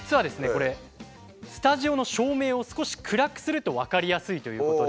これスタジオの照明を少し暗くすると分かりやすいということで。